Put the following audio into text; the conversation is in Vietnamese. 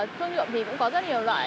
thuốc nhuộm thì cũng có rất nhiều loại